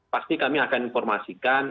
pasti kami akan informasikan